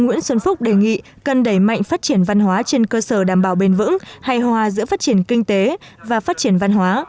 nguyễn xuân phúc đề nghị cần đẩy mạnh phát triển văn hóa trên cơ sở đảm bảo bền vững hài hòa giữa phát triển kinh tế và phát triển văn hóa